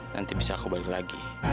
nanti bisa aku balik lagi